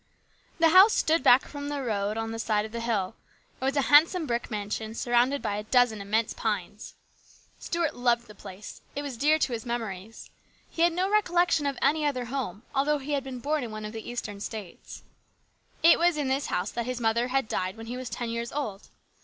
The house stood back from the road on the side of the hill. It was a handsome brick mansion, surrounded by a dozen immense pines. Stuart loved THE GREAT STRIKE. 17 the place. It was dear to his memories. He had no recollection of any other home, although he had been born in one of the eastern states. It was in this house that his mother had died when he was ten years old.